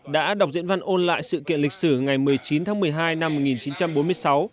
đã đọc diễn văn ôn lại sự kiện lịch sử ngày một mươi chín tháng một mươi hai năm một nghìn chín trăm bốn mươi sáu